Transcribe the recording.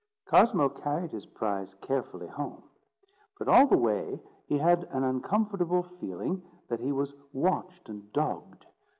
Cosmo carried his prize carefully home. But all the way he had an uncomfortable feeling that he was watched and dogged.